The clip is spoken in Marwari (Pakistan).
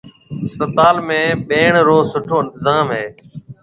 اسپتال ۾ ٻھڻ رو سٺو انتطام ھيََََ